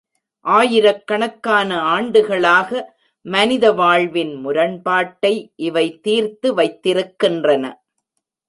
ஆயிரக் கணக்கான ஆண்டுகளாக மனித வாழ்வின் முரண்பாட்டை இவை தீர்த்து வைத்திருக்கின்றன.